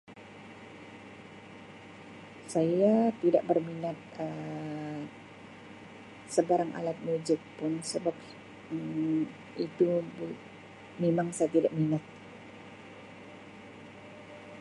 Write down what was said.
Saya tidak berminat Um sebarang alat muzik pun sebab Um itu mimang saya tidak minat.